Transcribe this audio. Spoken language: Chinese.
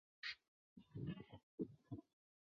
康宁汉生于美国俄亥俄州的辛辛那提市。